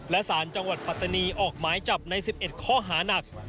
และสารจังหวัดปัตตานีออกหมายจับใน๑๑ข้อหานัก